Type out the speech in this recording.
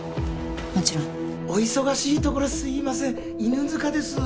もちろんお忙しいところすいません犬塚です